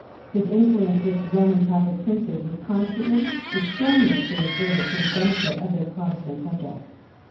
His influence with Roman Catholic princes was constantly and strenuously exerted for the benefit of their Protestant subjects.